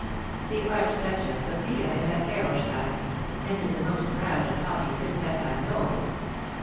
The Archduchess Sophia is at Gerolstein, and is the most proud and haughty princess I know."